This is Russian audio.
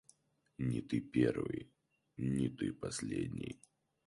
Не ты первый, не ты последний.